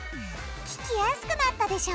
聞きやすくなったでしょ